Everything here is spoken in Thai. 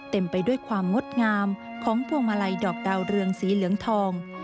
ไปด้วยความงดงามของพวงมาลัยดอกดาวเรืองสีเหลืองทอง